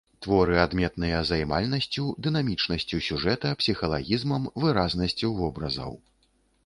Творы адметныя займальнасцю, дынамічнасцю сюжэта, псіхалагізмам, выразнасцю вобразаў.